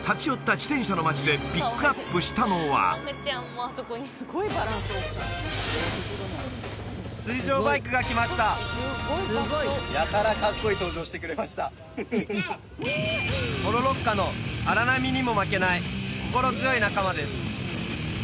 自転車の街でピックアップしたのは水上バイクが来ましたやたらかっこいい登場してくれましたポロロッカの荒波にも負けない心強い仲間です